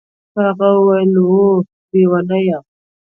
هغه وويل وه ليونيه.